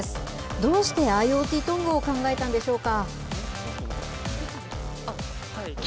どうしてＩｏＴトングを考えたんでしょうか。